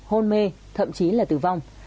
hôn mê thậm chí là tử vong